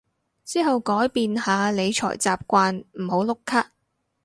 之後改變下理財習慣唔好碌卡